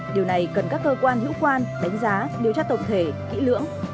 điều này cần các cơ quan hữu quan đánh giá điều tra tổng thể kỹ lưỡng